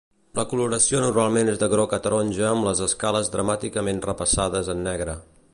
La coloració normalment és de groc a taronja, amb les escales dramàticament repassades en negre.